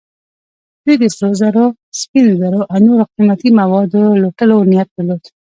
دوی د سرو زرو، سپینو زرو او نورو قیمتي موادو لوټلو نیت درلود.